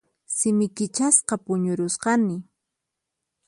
Simi kichasqa puñurusqani.